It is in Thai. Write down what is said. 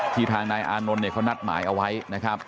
ทางนายอานนท์เนี่ยเขานัดหมายเอาไว้นะครับ